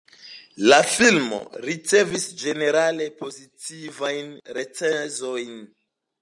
La filmo ricevis ĝenerale pozitivajn recenzojn.